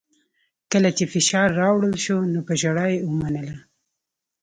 کله چې فشار راوړل شو نو په ژړا یې ومنله